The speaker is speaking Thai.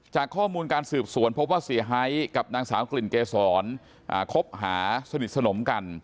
จากการสืบสวนพบว่าเสียหายกับนางสาวกลิ่นเกษรคบหาสนิทสนมกัน